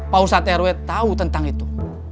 pausat eroi tahu tentang itu